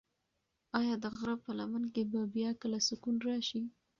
ایا د غره په لمن کې به بیا کله سکون راشي؟